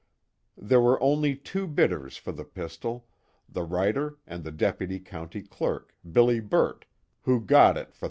There were only two bidders for the pistol, the writer and the deputy county clerk, Billy Burt, who got it for $13.